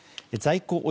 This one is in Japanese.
在庫